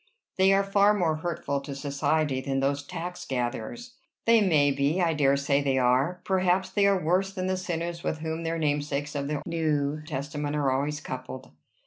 "They are far more hurtful to society than those tax gatherers." "They may be. I dare say they are. Perhaps they are worse than the sinners with whom their namesakes of the New Testament are always coupled."